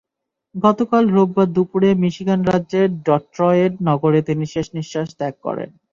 গতকাল রোববার দুপুরে মিশিগান রাজ্যের ডেট্রয়েট নগরে তিনি শেষনিঃশ্বাস ত্যাগ করেন।